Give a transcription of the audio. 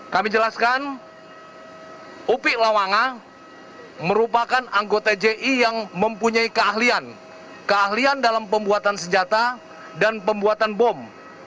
kami jelaskan upik lawanga merupakan anggota ji yang mempunyai keahlian dalam pembuatan senjata dan pembuatan bom